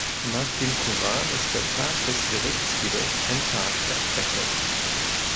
Nach dem Koran ist der „Tag des Gerichts“ jedoch ein „Tag der Abrechnung“.